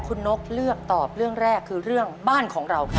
คุณนกเลือกตอบเรื่องแรกคือเรื่องบ้านของเราครับ